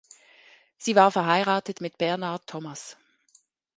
Sie war verheiratet mit Bernard Thomas.